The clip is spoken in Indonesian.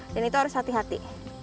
dan itu harus hati hati